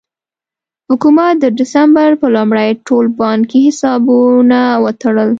حکومت د ډسمبر په لومړۍ ټول بانکي حسابونه وتړل.